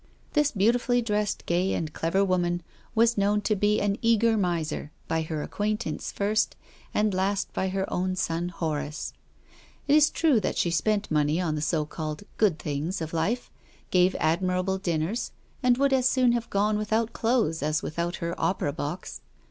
This beautifully dressed, gay and clever woman was known to be an eager miser by her acquaintance first, and last by her own son Horace. It is true that she spent money on the so called " good things " of life, gave admirable dinners, and would as soon have gone without clothes as without her opera box.